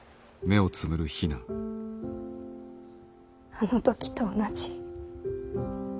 あの時と同じ。